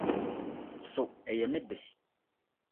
So ɛyɛ me de?